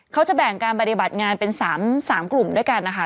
เขาจะแบ่งการปฏิบัติงานเป็น๓กลุ่มด้วยกันนะคะ